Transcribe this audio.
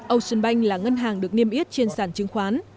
ocean bank là ngân hàng được niêm yết trên sản chứng khoán